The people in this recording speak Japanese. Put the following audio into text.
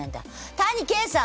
谷啓さん